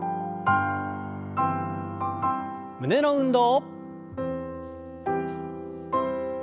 胸の運動。